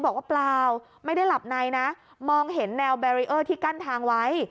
ขับในนะมองเห็นแนวเบรียร์ที่กั้นทางไว้